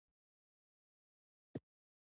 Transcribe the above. خپلې دستکشې يې راواخیستې او د کټ پر څنډه ېې ووهلې.